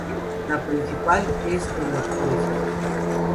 La principal es en los precios.